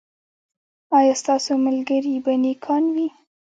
ایا ستاسو ملګري به نیکان وي؟